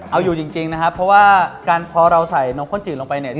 เอาอยู่จริงนะครับเพราะว่าพอเราใส่นมข้นจืดลงไปเนี่ย